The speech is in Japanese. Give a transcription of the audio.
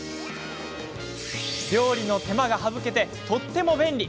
料理の手間が省けてとっても便利。